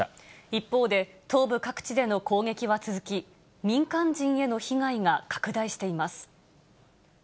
一方で、東部各地での攻撃は続き、民間人への被害が拡大しています。